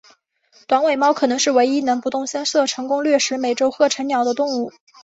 短尾猫可能是唯一能不动声色成功掠食美洲鹤成鸟的动物。